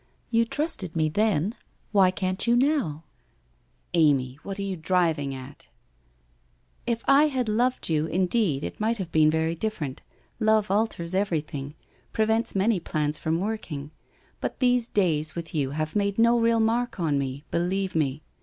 You trusted me then — why can't you now ?'' Amy, what are you driving at ?'* If I had loved you, indeed, it might have been very different. Love alters everything — prevents many plans from working. But these days with you have made no real mark on me, believe me.